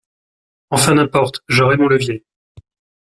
Enfin, n'importe ! J'aurai mon levier.